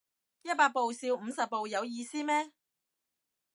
一百步笑五十步有意思咩